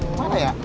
gak ada ya